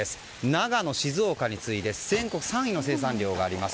長野、静岡に次いで全国３位の生産量があります。